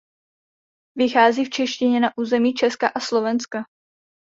Vychází v češtině na území Česka a Slovenska.